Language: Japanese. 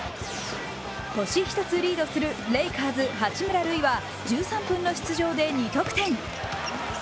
星一つリードするレイカーズ・八村塁は１３分の出場で２得点。